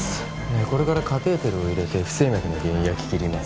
これからカテーテルを入れて不整脈の原因焼き切ります